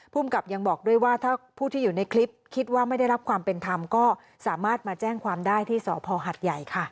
ภูมิกับยังบอกด้วยว่าถ้าผู้ที่อยู่ในคลิปคิดว่าไม่ได้รับความเป็นธรรมก็สามารถมาแจ้งความได้ที่สพหัดใหญ่ค่ะ